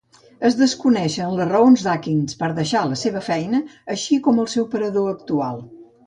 Es desconeixen les raons d'Akins per a deixar la seva feina, així com el seu parador actual.